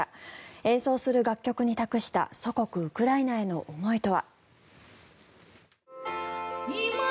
演奏する楽曲に託した祖国ウクライナへの思いとは。